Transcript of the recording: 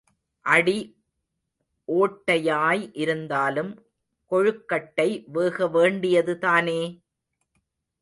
அடி ஓட்டையாய் இருந்தாலும் கொழுக்கட்டை வேக வேண்டியது தானே?